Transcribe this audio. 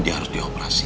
dia harus dioperasi